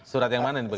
surat yang mana ini